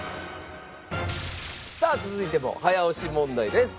さあ続いても早押し問題です。